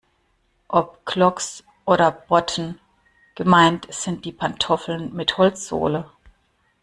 Ob Clogs oder Botten, gemeint sind die Pantoffeln mit Holzsohle.